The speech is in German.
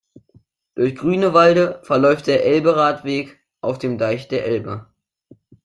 Durch Grünewalde verläuft der Elberadweg auf dem Deich der Elbe.